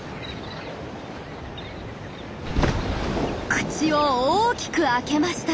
口を大きく開けました。